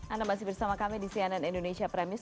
anda masih bersama kami di cnn indonesia premis